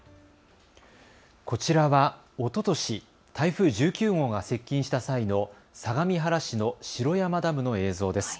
こちらはおととし、台風１９号が接近した際の相模原市の城山ダムの映像です。